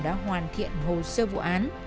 đã hoàn thiện hồ sơ vụ án